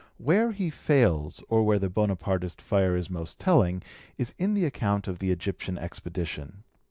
Where he fails, or where the Bonapartist fire is most telling, is in the account of the Egyptian expedition.